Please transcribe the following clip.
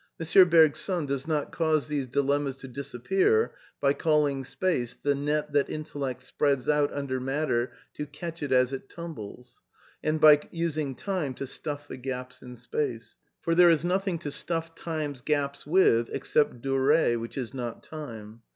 M. Bergson does not cause these dilemmas to disappear by calling space the net that intellect spreads out imder matter to catch it as it tumbles, and by using time to stuff the gaps in space. For there is nothing to stuff time's gaps with, except duree which is not time.